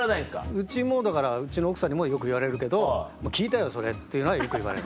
うちもだからうちの奥さんにもよく言われるけど「聞いたよそれ」っていうのはよく言われる。